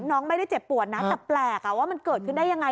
น้องไม่ได้เจ็บปวดนะแต่แปลกว่ามันเกิดขึ้นได้ยังไง